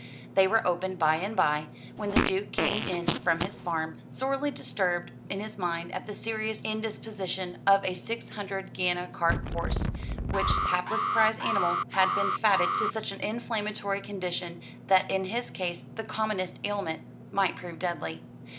They were opened by and by, when the Duke came in from his farm, sorely disturbed in his mind at the serious indisposition of a six hundred guinea cart horse, which hapless prize animal had been fatted to such an inflammatory condition that in his case the commonest ailment might prove deadly.